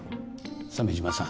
鮫島さん